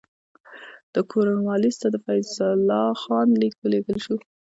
د کورنوالیس ته د فیض الله خان لیک ولېږل شو.